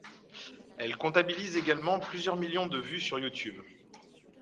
Elle comptabilise également plusieurs millions de vues sur Youtube.